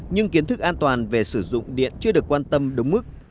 nhưng kiến thức an toàn về sử dụng điện chưa được quan tâm đúng mức